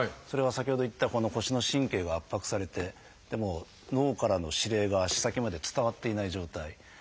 それは先ほど言った腰の神経が圧迫されて脳からの指令が足先まで伝わっていない状態。